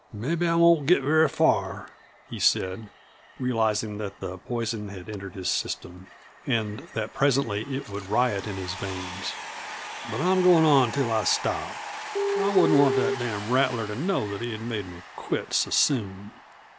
"Mebbe I won't get very far," he said, realizing that the poison had entered his system, and that presently it would riot in his veins, "but I'm goin' on until I stop. I wouldn't want that damned rattler to know that he'd made me quit so soon."